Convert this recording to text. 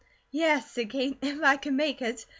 "Yes," said Kate, "if I can make it.